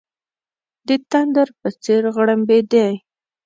د تندر په څېر غړمبېدی.